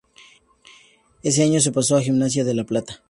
Ese año se pasó a Gimnasia de La Plata.